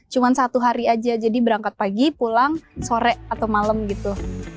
cuma satu hari aja jadi berangkat pagi pulang sore atau malam gitu